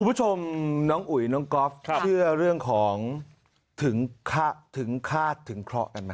คุณผู้ชมน้องอุ๋ยน้องก๊อฟเชื่อเรื่องของถึงคาดถึงเคราะห์กันไหม